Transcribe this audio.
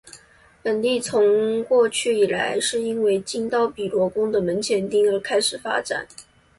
本地从过去以来是因为金刀比罗宫的门前町而开始发展。